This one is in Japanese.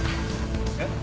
えっ？